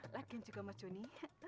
lagi juga mas joni